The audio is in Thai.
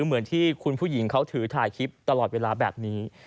เหมือนที่คุณผู้หญิงเขาถือถ่ายคลิปตลอดเวลาแบบนี้